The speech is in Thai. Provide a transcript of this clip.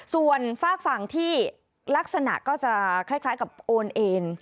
ส่วนฝากฝั่งที่ลักษณะก็จะคล้ายกับโอนเอ็น